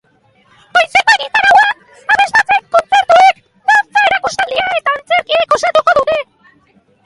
Goizeko egitaraua, abesbatzen kontzertuek, dantza erakustaldia eta antzerkiek osatuko dute.